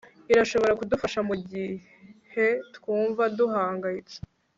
irashobora kudufasha mugihe twumva duhangayitse